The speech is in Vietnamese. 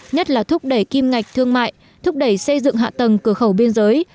nhất là thúc đẩy kim ngạch thương mại thúc đẩy xây dựng hạ tầng cửa khẩu biên giới